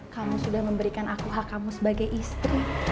kamu sudah memberikan aku hak kamu sebagai istri